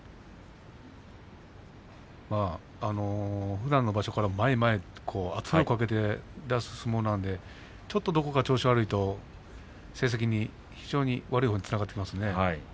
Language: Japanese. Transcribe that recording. ふだんの場所から前へ前へ圧力をかけて出る相撲なのでちょっと調子が悪いと成績に悪いほうにつながっていきますね。